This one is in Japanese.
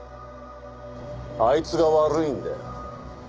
あいつが悪いんだよ。